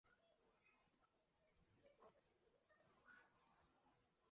这个派系经常被看作在卡梅伦作为保守党领袖期间在党内高层中占主导地位的象征。